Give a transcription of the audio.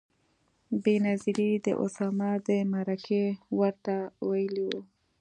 بېنظیرې د اسامه د مرکې ورته ویلي و.